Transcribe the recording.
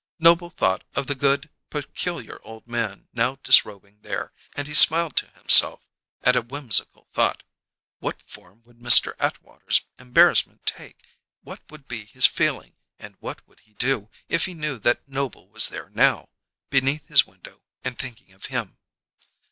Noble thought of the good, peculiar old man now disrobing there, and he smiled to himself at a whimsical thought: What form would Mr. Atwater's embarrassment take, what would be his feeling, and what would he do, if he knew that Noble was there now, beneath his window and thinking of him?